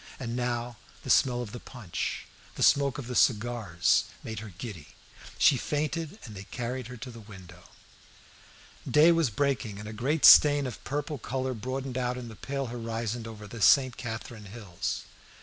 And now the smell of the punch, the smoke of the cigars, made her giddy. She fainted, and they carried her to the window. Day was breaking, and a great stain of purple colour broadened out in the pale horizon over the St. Catherine hills.